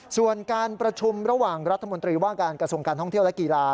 ส่วนการประชุมระหว่างรัฐมนตรีว่าการกระทรวงการท่องเที่ยวและกีฬา